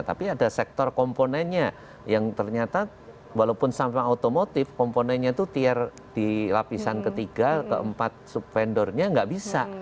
tapi ada sektor komponennya yang ternyata walaupun sampah otomotif komponennya itu tiar di lapisan ketiga keempat sub vendornya nggak bisa